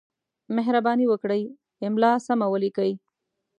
مهرباني وکړئ! املا سمه ولیکئ!